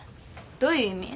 どういう意味？